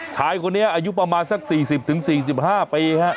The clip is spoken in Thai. ชายคนนี้อายุประมาณสัก๔๐๔๕ปีฮะ